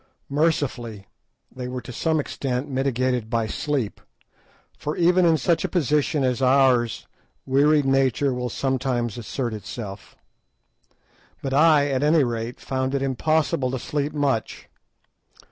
Mercifully they were to some extent mitigated by sleep, for even in such a position as ours wearied nature will sometimes assert itself. But I, at any rate, found it impossible to sleep much.